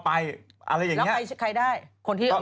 เพราะว่าตอนนี้ก็ไม่มีใครไปข่มครูฆ่า